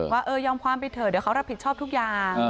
ว่ายอมความไปเถอะเดี๋ยวเขารับผิดชอบทุกอย่าง